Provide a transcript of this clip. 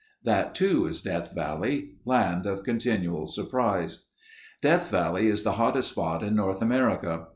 That too is Death Valley—land of continual surprise. Death Valley is the hottest spot in North America.